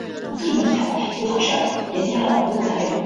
平果内溪蟹为溪蟹科内溪蟹属的动物。